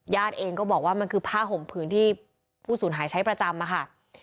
เองก็บอกว่ามันคือผ้าห่มผืนที่ผู้สูญหายใช้ประจำอะค่ะ